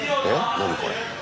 何これ。